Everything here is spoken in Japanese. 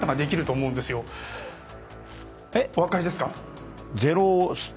お分かりですか？